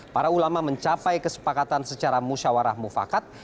para ulama mencapai kesepakatan secara musyawarah mufakat